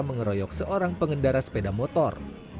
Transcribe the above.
mengeroyok seorang pengendara sepeda motor